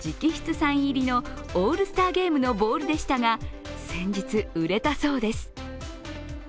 サイン入りのオールスターゲームのボールでしたが先日、売れたそうです。